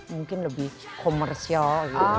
mungkin lebih komersial gitu